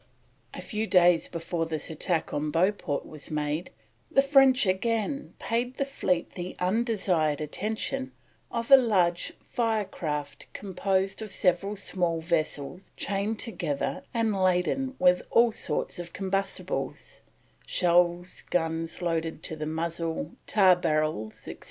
A few days before this attack on Beauport was made, the French again paid the fleet the undesired attention of a large fire raft composed of several small vessels chained together and laden with all sorts of combustibles shells, guns loaded to the muzzle, tar barrels, etc.